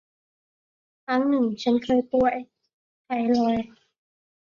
ครั้งหนึ่งฉันเคยป่วย ไทฟอยด์